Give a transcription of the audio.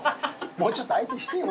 もうちょっと相手してよ